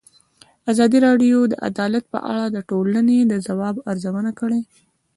ازادي راډیو د عدالت په اړه د ټولنې د ځواب ارزونه کړې.